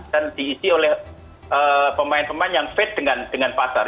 dan diisi oleh pemain pemain yang fade dengan pasar